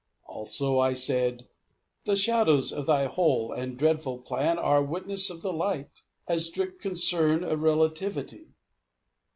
Also I said, "The shadows of Thy whole And dreadful plan are witness of the light, And strict concern of relativity."